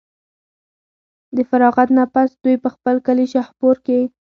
د فراغت نه پس دوي پۀ خپل کلي شاهپور کښې